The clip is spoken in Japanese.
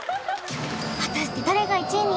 果たして誰が１位に？